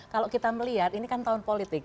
kalau kita melihat ini kan tahun politik